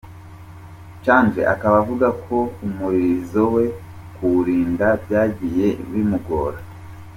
Chandre akaba avuga ko umurizo we kuwurinda byagiye bimugora.